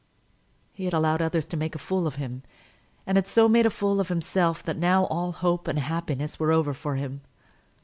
He had allowed others to make a fool of him, and had so made a fool of himself that now all hope and happiness were over for him.